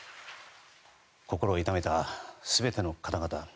心を痛めた全ての方々